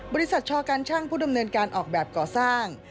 บริษัทชอการช่างผู้ดำเนินการออกแบบก่อสร้าง